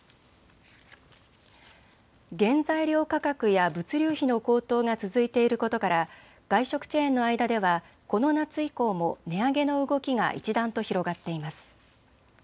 原材料価格や物流費の高騰が続いていることから外食チェーンの間ではこの夏以降も値上げの動きが一段と広がっています。